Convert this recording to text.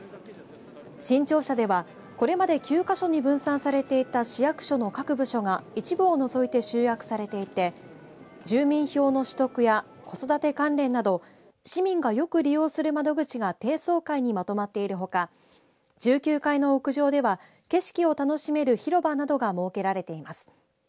新庁舎では、これまで９か所に分散されていた市役所の各部署が一部を除いて集約されていて住民票の取得や子育て関連など市民がよく利用する窓口が低層階にまとまっているほか１９階の屋上では景色を楽しめる広場などが設けられています。